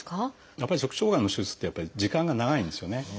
やっぱり直腸がんの手術って時間が長いんですよね。